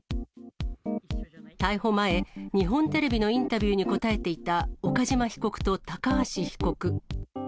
逮捕前、日本テレビのインタビューに答えていた岡島被告と高橋被告。